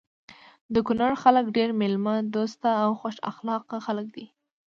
د کونړ خلک ډير ميلمه دوسته او خوش اخلاقه خلک دي.